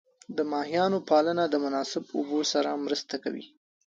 د ماهیانو پالنه د مناسب اوبو سره مرسته کوي.